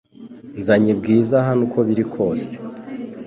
Nzanye Bwiza hano uko biri kose